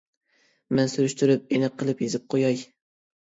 مەن سۈرۈشتۈرۈپ، ئېنىق قىلىپ يېزىپ قوياي.